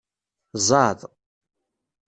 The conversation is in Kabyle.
Zɛeḍ.